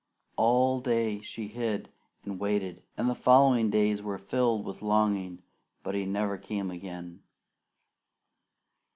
All day she hid and waited, and the following days were filled with longing, but he never came again.